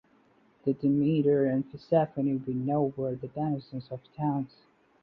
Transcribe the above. The Demeter and Persephone we know were the denizens of towns.